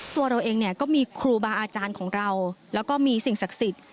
ตัวเราเองเนี่ยก็มีครูบาอาจารย์ของเราแล้วก็มีสิ่งศักดิ์สิทธิ์